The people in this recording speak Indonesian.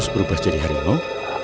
dua ratus berubah menjadi harimau